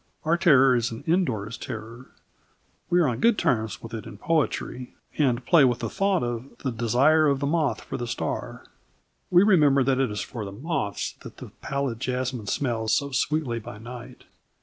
Our terror is an indoors terror. We are on good terms with it in poetry, and play with the thought of The desire of the moth for the star. We remember that it is for the moths that the pallid jasmine smells so sweetly by night.